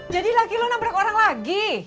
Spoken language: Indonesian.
jadi lagi lu nabrak orang lagi